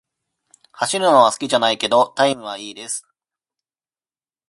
走るのは好きじゃないけど、タイムは良いです。